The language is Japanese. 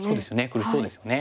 苦しそうですよね。